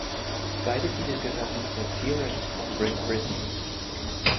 Beide Titel gehörten zur Peerage of Great Britain.